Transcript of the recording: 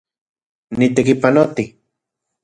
Nitekipanoti